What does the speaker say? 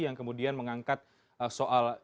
yang kemudian mengangkat soal